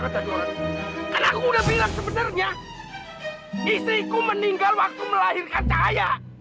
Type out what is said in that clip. karena aku sudah bilang sebenarnya istriku meninggal waktu melahirkan cahaya